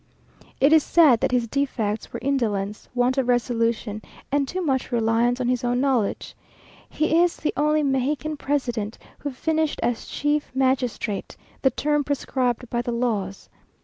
It is said that his defects were indolence, want of resolution, and too much reliance on his own knowledge. He is the only Mexican president who finished as chief magistrate, the term prescribed by the laws.